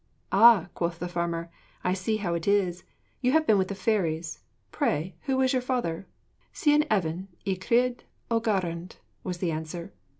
'Ah,' quoth the farmer, 'I see how it is you have been with the fairies. Pray, who was your father?' 'Sion Evan y Crydd o Glanrhyd,' was the answer.